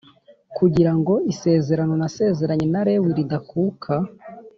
kugira ngo isezerano nasezeranye na Lewi ridakuka